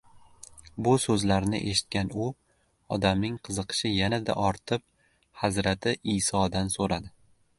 Bu so‘zlarni eshitgan u odamning qiziqishi yanada ortib hazrati Iysodan so‘radi: